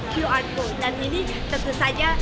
qr code dan ini tentu saja